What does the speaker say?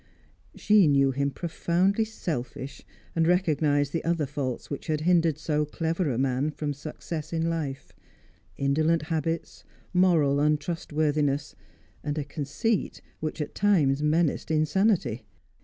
She knew him profoundly selfish, and recognised the other faults which had hindered so clever a man from success in life; indolent habits, moral untrustworthiness, and a conceit which at times menaced insanity.